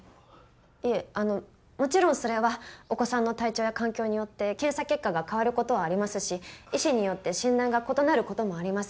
いえあのもちろんそれはお子さんの体調や環境によって検査結果が変わる事はありますし医師によって診断が異なる事もあります。